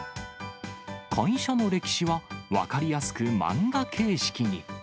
会社の歴史は、分かりやすく漫画形式に。